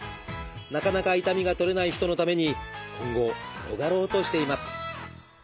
なかなか痛みが取れない人のために今後広がろうとしています。